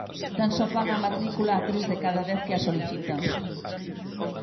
Tan só paga a matrícula a tres de cada dez que a solicitan.